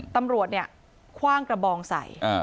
ตำรวจคว่างกระบองใส